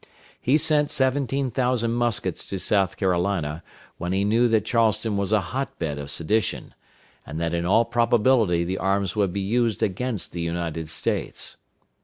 He sent seventeen thousand muskets to South Carolina, when he knew that Charleston was a hot bed of sedition, and that in all probability the arms would be used against the United States.